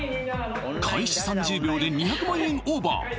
開始３０秒で２００万円オーバー